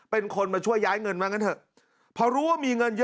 เป็นคนมาช่วยย้ายเงินมางั้นเถอะพอรู้ว่ามีเงินเยอะ